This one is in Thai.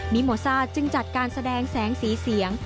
โมซ่าจึงจัดการแสดงแสงสีเสียง